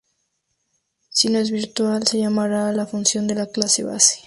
Si no es virtual, se llamará a la función de la clase base.